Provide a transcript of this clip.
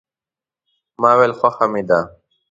ما ویل خوښه مې ده.